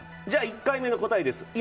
じゃあ１回目の答えです。